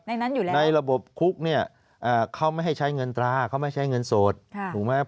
นั้นอยู่แล้วในระบบคุกเนี่ยเขาไม่ให้ใช้เงินตราเขาไม่ใช้เงินสดถูกไหม